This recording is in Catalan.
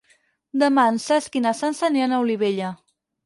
Demà en Cesc i na Sança aniran a Olivella.